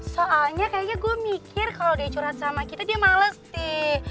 soalnya kayaknya gue mikir kalau dia curhat sama kita dia males sih